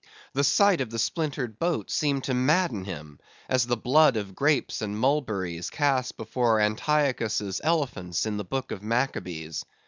The sight of the splintered boat seemed to madden him, as the blood of grapes and mulberries cast before Antiochus's elephants in the book of Maccabees.